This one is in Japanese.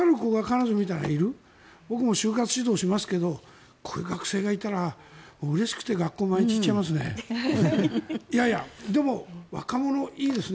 僕も就活指導しますがこういう学生がいたらうれしくて毎日学校に行っちゃいますね。